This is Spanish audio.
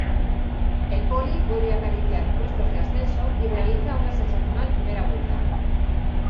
El Poli vuelve a acariciar puestos de ascenso y realiza una sensacional primera vuelta.